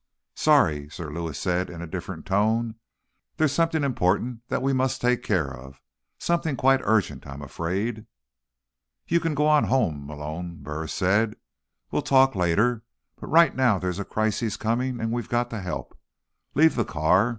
"Sorry," Sir Lewis said in a different tone. "There's something important that we must take care of. Something quite urgent, I'm afraid." "You can go on home, Malone," Burris said. "We'll talk later, but right now there's a crisis coming and we've got to help. Leave the car.